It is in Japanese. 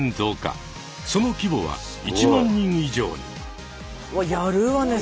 その規模は１万人以上に。